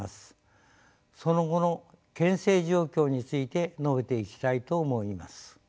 その後の県政状況について述べていきたいと思います。